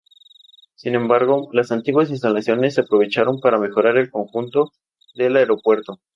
Sin embargo, las antiguas instalaciones se aprovecharon para mejorar el conjunto del aeropuerto.